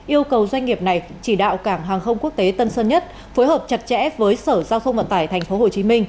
yêu cầu doanh nghiệp này chỉ đạo cảng hàng không quốc tế tân sơn nhất phối hợp chặt chẽ với sở giao thông vận tải tp hcm